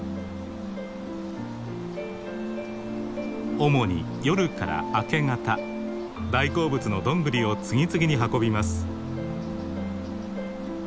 主に夜から明け方大好物のドングリを次々に運びます。